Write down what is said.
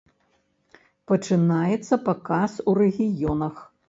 Пачынаецца паказ у рэгіёнах.